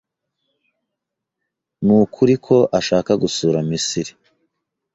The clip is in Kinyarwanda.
Nukuri ko ashaka gusura Misiri.